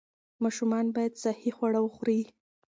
ماشومان باید صحي خواړه وخوري.